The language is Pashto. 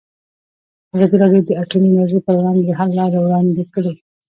ازادي راډیو د اټومي انرژي پر وړاندې د حل لارې وړاندې کړي.